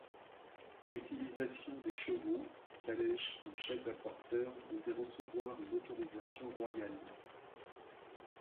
L'utilisation des chevaux, calèche ou chaise à porteurs devait recevoir une autorisation royale.